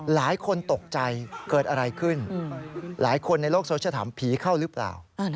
หลายคนตกใจเกิดอะไรขึ้นหลายคนในโลกโซเชียลถามผีเข้าหรือเปล่า